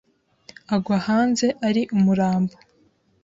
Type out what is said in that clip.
agwa hanze ari umurambo,